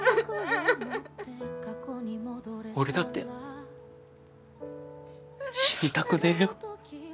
俺だって死にたくねえよ。